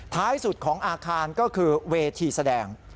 ท้ายสุดของอาคารก็คือเวทีแสดง